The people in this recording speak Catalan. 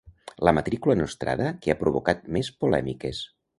La matrícula nostrada que ha provocat més polèmiques.